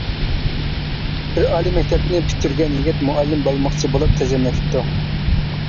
بىر ئالىي مەكتەپنى پۈتتۈرگەن يىگىت مۇئەللىم بولماقچى بولۇپ تىزىملىتىپتۇ.